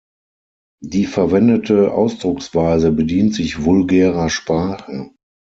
Die verwendete Ausdrucksweise bedient sich vulgärer Sprache.